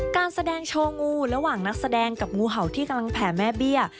การแสดงโชว์งูระหว่างนักแสดงกับงูเห่าที่กำลังแผ่แม่เบี้ย